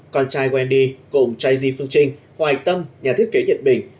con trai wendy cùng trai di phương trinh hoài tâm nhà thiết kế nhật bình